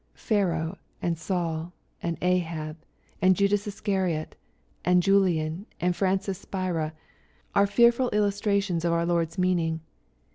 Pharaoh, and Saul, and Ahab, and Judas Iscariot, and Julian, and Francis Spira, are fearful illustrations of our Lord's meaning.